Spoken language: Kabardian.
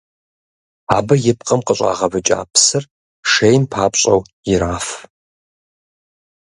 Абы и пкъым къыщӏагъэвыкӏа псыр шей папщӏэуи ираф.